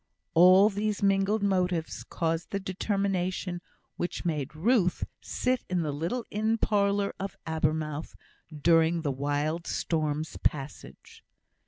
All these mingled motives caused the determination which made Ruth sit in the little inn parlour at Abermouth during the wild storm's passage.